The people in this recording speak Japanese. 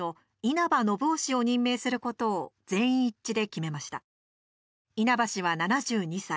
稲葉氏は、７２歳。